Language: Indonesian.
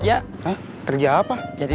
misalnya ini nggak ada orang pertama